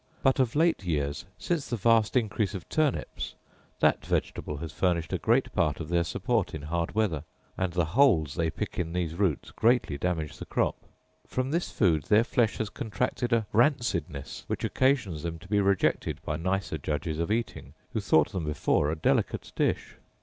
But of late years, since the vast increase of turnips, that vegetable has furnished a great part of their support in hard weather; and the holes they pick in these roots greatly damage the crop. From this food their flesh has contracted a rancidness which occasions them to be rejected by nicer judges of eating, who thought them before a delicate dish.